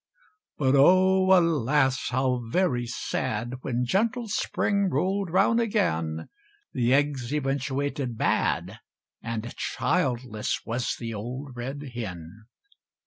But oh! alas, how very sad! When gentle spring rolled round again, The eggs eventuated bad, And childless was the old red hen!